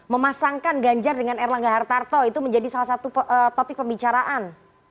memasangkan ganjar dengan erlangga hartarto itu menjadi salah satu topik pembicaraan